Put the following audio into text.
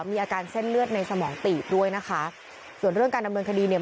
มีอาการเส้นเลือดในสมองตีบด้วยนะคะส่วนเรื่องการดำเนินคดีเนี่ย